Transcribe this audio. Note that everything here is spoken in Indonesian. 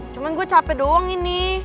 cuma gue capek doang ini